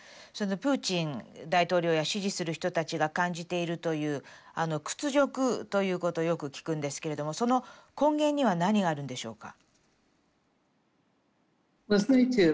プーチン大統領や支持する人たちが感じているという屈辱ということをよく聞くんですけれどもその根源には何があるんでしょうか？